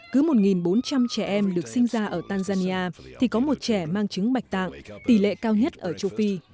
cứ một bốn trăm linh trẻ em được sinh ra ở tanzania thì có một trẻ mang chứng bạch tạng tỷ lệ cao nhất ở châu phi